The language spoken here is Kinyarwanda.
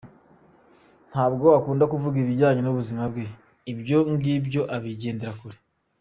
Ntabwo akunda kuvuga ibijyanye n’ubuzima bwe , ibyo ngibyo abigendera kure.